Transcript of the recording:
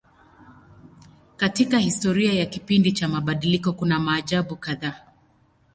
Katika historia ya kipindi cha mabadiliko kuna maajabu kadhaa.